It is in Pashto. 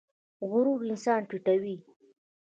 غرور انسان ټیټوي